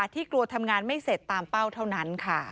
ที่กลัวทำงานไม่เสร็จตามเป้าเท่านั้นค่ะ